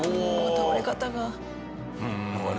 倒れ方が。